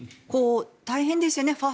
大変ですよね。